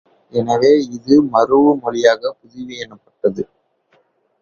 எனவே, இது மரூஉ மொழியாகப் புதுவை எனப்பட்டது.